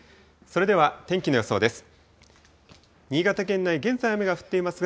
それでは天気の予想です。